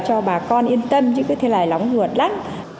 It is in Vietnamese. còn là những bức xúc